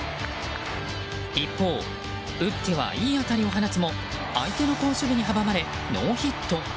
一方、打ってはいい当たりを放つも相手の好守備に阻まれノーヒット。